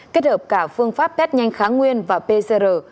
kết hợp cả phương pháp test nhanh kháng nguyên và pcr